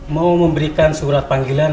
mau memberikan surat panggilan